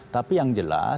tapi yang jelas